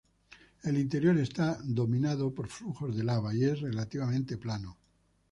El interior está dominado por flujos de lava, y es relativamente plano.